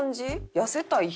痩せたい人？